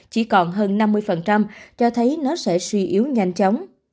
chỉ còn hơn năm mươi cho thấy nó sẽ suy yếu nhanh chóng